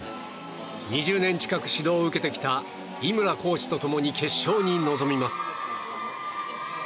２０年近く指導を受けてきた井村コーチと共に決勝に臨みます。